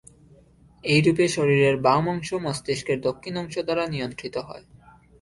এইরূপে শরীরের বাম অংশ মস্তিষ্কের দক্ষিণ অংশ দ্বারা নিয়ন্ত্রিত হয়।